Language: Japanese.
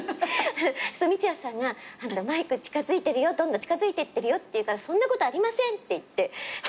そうすると三ツ矢さんがあんたマイク近づいてるよどんどん近づいてってるよって言うからそんなことありませんって言って。